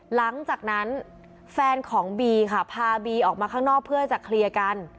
หลังจากนั้นแฟนของบีค่ะพาบีออกมาข้างนอกเพื่อจะเคลียร์กัน